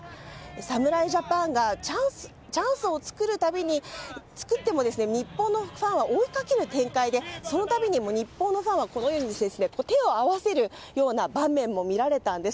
侍ジャパンがチャンスを作る度に日本のファンは追いかける展開でそのたびに、日本のファンは手を合わせるような場面もみられたんです。